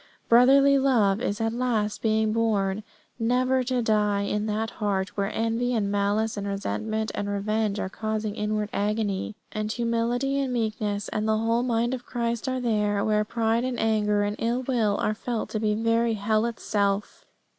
Brotherly love is at last being born never to die in that heart where envy and malice and resentment and revenge are causing inward agony. And humility and meekness and the whole mind of Christ are there where pride and anger and ill will are felt to be very hell itself.